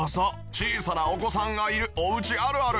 小さなお子さんがいるおうちあるある。